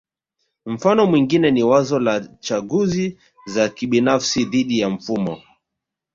Mfano mwingine ni wazo la chaguzi za kibinafsi dhidi ya mfumo